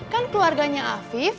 kan keluarganya afif